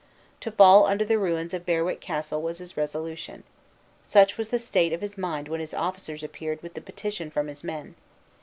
To fall under the ruins of Berwick Castle was his resolution. Such was the state of his mind when his officers appeared with the petition from his men.